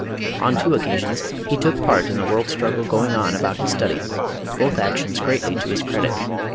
On two occasions he took part in the world struggle going on about his study, both actions greatly to his credit.